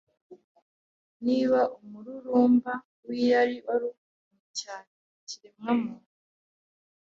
Niba umururumba w’irari wari ukomereye cyane ikiremwamuntu